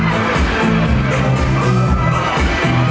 ไม่ต้องถามไม่ต้องถาม